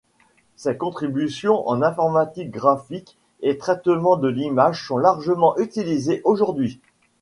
Ses contributions en informatique graphique et traitement de l'image sont largement utilisées aujourd'hui.